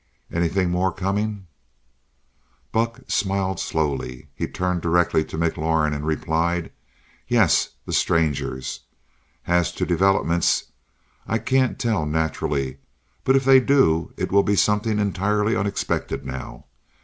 "Anything more coming?" Buck smiled slowly. He turned directly to McLaurin and replied: "Yes the Strangers. As to developments I can't tell, naturally. But if they do, it will be something entirely unexpected now.